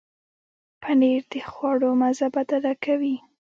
پنېر د خواړو مزه بدله کوي.